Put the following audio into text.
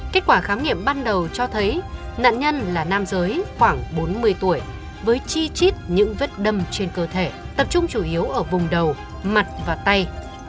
kết quả khám nghiệm ban đầu cho thấy nạn nhân là nam giới khoảng bốn mươi tuổi với chi chít những vết đâm trên cơ thể tập trung chủ yếu ở vùng đầu mặt và tay